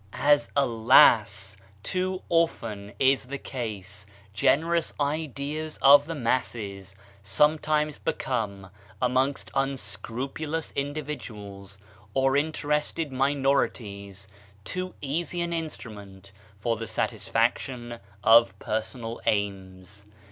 As, alas I too 160 PATRIOTISM 161 often is the case, generous ideas of the masses sometimes become, amongst unscrupulous individuals or interested minorities, too easy an instrument for the satisfaction of personal aims.